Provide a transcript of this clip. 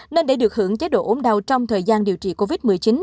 nên để được hưởng chế độ ốm đau trong thời gian điều trị covid một mươi chín